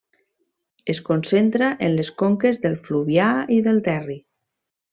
Es concentra en les conques del Fluvià i del Terri.